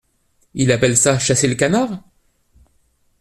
Il appelle ça chasser le canard !